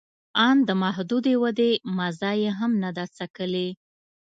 آن د محدودې ودې مزه یې هم نه ده څکلې